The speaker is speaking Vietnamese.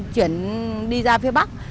chuyển đi ra phía bắc